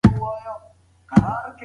مهربان ښوونکی زده کوونکي نه خفه کوي.